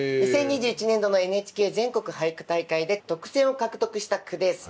２０２１年度のＮＨＫ全国俳句大会で特選を獲得した句です。